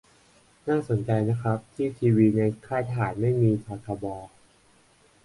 น่าสนใจนะครับที่ทีวีในค่ายทหารไม่มีททบ